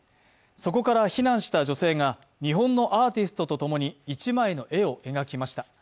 そこから避難した女性が日本のアーティストとともに１枚の絵を描きました。